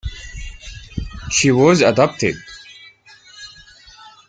She was adopted.